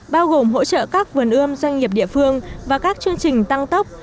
bao gồm hỗ trợ các vườn ươm doanh nghiệp địa phương và các chương trình tăng tốc